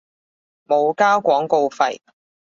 冇交廣告費